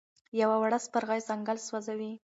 یوه وړه سپرغۍ ځنګل سوځوي.